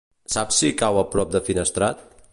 Saps si cau a prop de Finestrat?